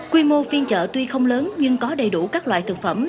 quy mô phiên chợ tuy không lớn nhưng có đầy đủ các loại thực phẩm